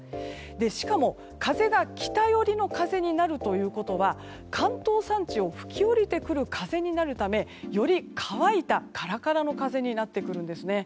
しかも、風が北寄りの風になるということは関東山地を吹き下りてくる風になるためより乾いた、カラカラの風になってくるんですね。